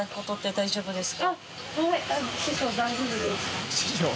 大丈夫です？